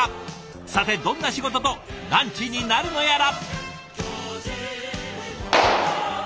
さてどんな仕事とランチになるのやら。